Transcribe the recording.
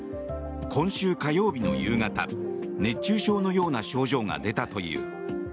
今週火曜日の夕方熱中症のような症状が出たという。